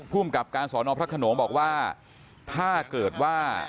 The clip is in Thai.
ภูมิกับการสอนอพระขนงบอกว่าถ้าเกิดว่า